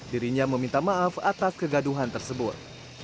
dirinya meminta maaf atas kegaduhan tersebut